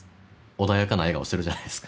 穏やかな笑顔してるじゃないですか